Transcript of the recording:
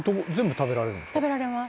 「食べられます」